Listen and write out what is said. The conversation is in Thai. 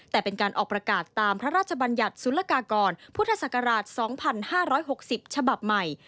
แต่เป็นการออกประกาศตามพระราชบัญญัติศุลกากรพุทธศักราช๒๕๖๐ฉบับใหม่